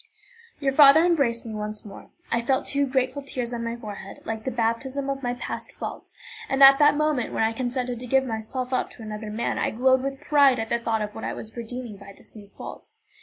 Your father embraced me once more. I felt two grateful tears on my forehead, like the baptism of my past faults, and at the moment when I consented to give myself up to another man I glowed with pride at the thought of what I was redeeming by this new fault.